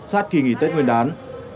sát kỳ nghỉ tết nguyên đán